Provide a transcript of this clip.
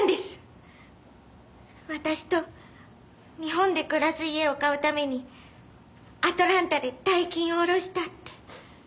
私と日本で暮らす家を買うためにアトランタで大金をおろしたって。